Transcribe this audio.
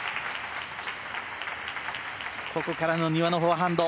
ここからの丹羽のフォアハンド。